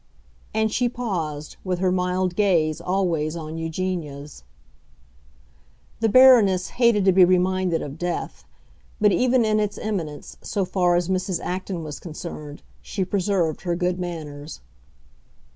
And she paused, with her mild gaze always on Eugenia's. The Baroness hated to be reminded of death; but even in its imminence, so far as Mrs. Acton was concerned, she preserved her good manners.